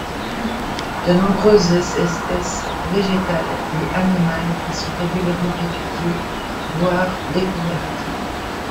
De nombreuses espèces végétales et animales y sont régulièrement étudiées, voire découvertes.